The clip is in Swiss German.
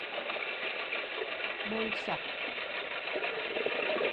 Kann'sch s'Fenschter züemache wann's beliebt?